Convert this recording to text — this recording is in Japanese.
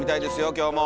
今日も！